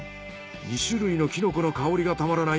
２種類のキノコの香りがたまらない